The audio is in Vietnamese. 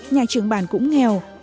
nhà trưởng bàn cũng nghèo